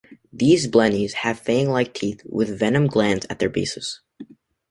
These blennies have fang-like teeth with venom glands at their bases.